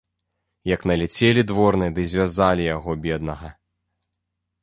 Як наляцелі дворныя ды звязалі яго, беднага.